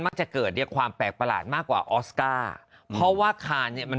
จะเกิดเนี้ยความแปลกประหลาดมากกว่าออสการ์เพราะว่าคานเนี้ยมัน